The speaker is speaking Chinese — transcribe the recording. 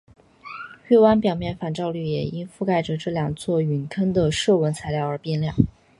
月湾表面反照率也因覆盖着这两座陨坑的射纹材料而变亮。